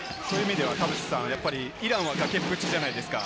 イランは崖っぷちじゃないですか。